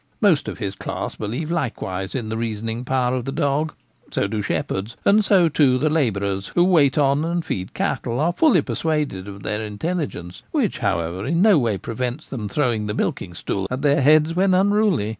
Most of his class believe, likewise, in the reasoning power of the dog: so do shepherds; and so, too, the la bourers who wait on and feed cattle are fully per suaded of their intelligence, which, however, in no way prevents them throwing the milking stool at their heads when unruly.